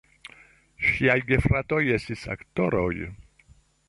Ŝiaj gefratoj estis aktoroj.